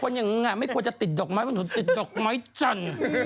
คนอย่างนั้นไม่กลัวจะติดดอกมะติดดอกมะจน